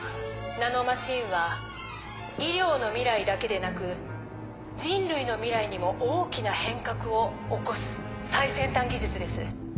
ナノマシンは医療の未来だけでなく人類の未来にも大きな変革を起こす最先端技術です。